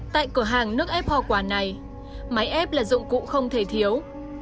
tại cửa hàng nước ép hoa quả này máy ép là dụng cụ không thể thiếu